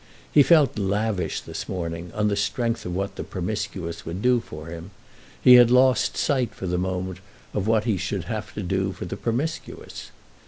He felt lavish this morning, on the strength of what the Promiscuous would do for him; he had lost sight for the moment of what he should have to do for the Promiscuous.